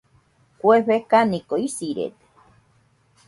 Kue fekaniko isirede.